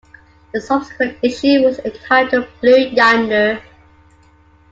The subsequent issue was entitled "Blue Yonder".